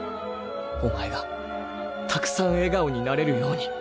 お前がたくさん笑顔になれるように。